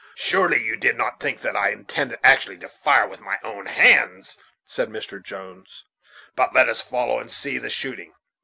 "Surely you did not think that I intended actually to fire with my own hands?" said Mr. Jones. "But let us follow, and see the shooting.